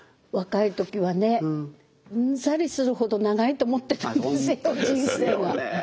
若い時はねうんざりするほど長いと思ってたんですよ人生は。